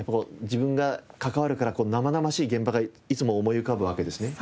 自分が関わるから生々しい現場がいつも思い浮かぶわけですね。